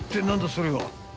それは］